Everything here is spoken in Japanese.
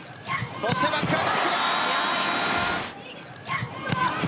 そしてバックアタック。